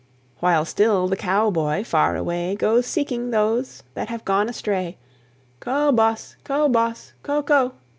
While still the cow boy, far away, Goes seeking those that have gone astray, "Co', boss! co', boss! co'! co'!"